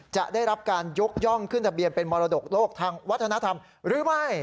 จะได้รับการยกย่องขึ้นทะเบียนเป็นมรดกโลกทางวัฒนธรรมหรือไม่